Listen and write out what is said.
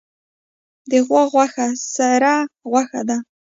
د غوا غوښه سره غوښه ده